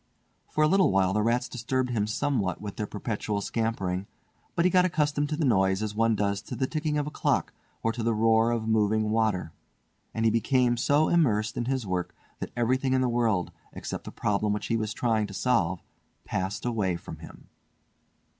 For a little while the rats disturbed him somewhat with their perpetual scampering, but he got accustomed to the noise as one does to the ticking of a clock or to the roar of moving water; and he became so immersed in his work that everything in the world, except the problem which he was trying to solve, passed away from him.